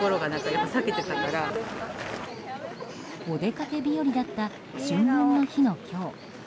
お出かけ日和だった春分の日の今日。